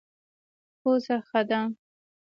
پوزه ښه ده.